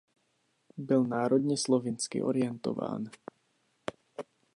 Byl národně slovinsky orientován.